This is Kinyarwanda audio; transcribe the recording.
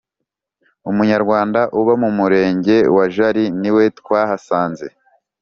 Umunyarwanda uba mu Murenge wa Jari niwe twahasanze